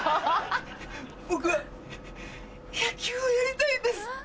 僕野球をやりたいんです。